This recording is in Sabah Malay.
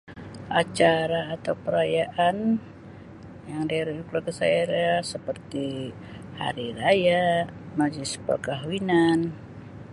Acara atau perayaan [unintelligible] seperti hari raya majlis perkahwinan.